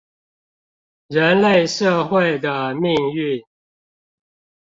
人類社會的命運